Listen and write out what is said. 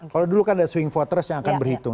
kalau dulu kan ada swing voters yang akan berhitung